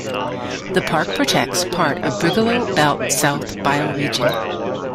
The park protects part of Brigalow Belt South bioregion.